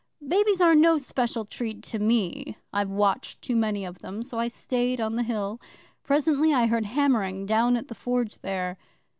Babies are no special treat to me I've watched too many of them so I stayed on the Hill. Presently I heard hammering down at the Forge there.